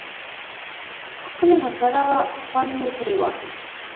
ښکلی منظره وه خوند مو تری واخیست